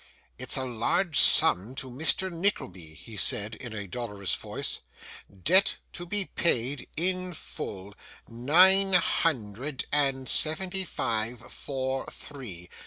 'It's a large sum to Mr. Nickleby,' he said, in a dolorous voice. 'Debt to be paid in full, nine hundred and seventy five, four, three.